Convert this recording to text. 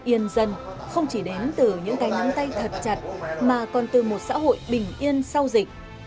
yên dân không chỉ đến từ những cái nắm tay thật chặt mà còn từ một xã hội bình yên sau dịch